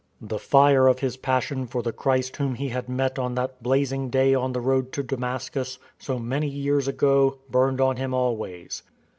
The fire of his passion for the Christ whom he had met on that blazing day on the road to Damascus, so many years ago, burned on him always.